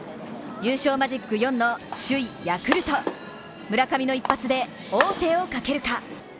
優勝マジック４の首位・ヤクルト村上の一発で王手をかけるか。